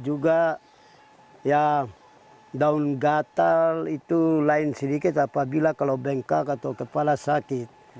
juga ya daun gatal itu lain sedikit apabila kalau bengkak atau kepala sakit